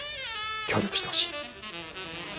協力してほしい。